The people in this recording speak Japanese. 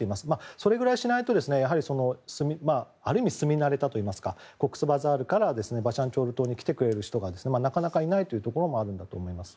それくらいしないとある意味住み慣れたといいますかコックスバザールからバシャンチャール島に来てくれる人がなかなかいないこともあると思います。